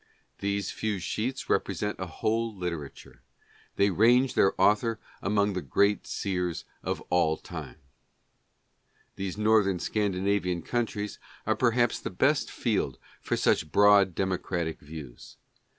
These few sheets represent a whole literature ; they range their author among the great seers of all times. These northern Scandinavian countries are perhaps the best field for such broad democratic views.